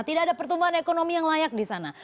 tidak ada pertumbuhan ekonomi yang layak di sana